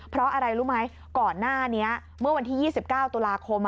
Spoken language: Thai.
เพราะอะไรรู้ไหมก่อนหน้านี้เมื่อวันที่๒๙ตุลาคม